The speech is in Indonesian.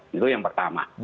itu yang pertama